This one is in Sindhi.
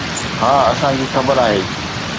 ها اسان کي خبر آهي.